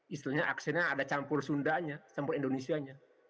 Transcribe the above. istilahnya aksennya ada campur sundanya campur indonesianya